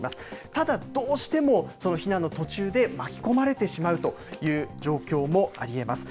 ただ、どうしてもその避難の途中で巻き込まれてしまうという状況もありえます。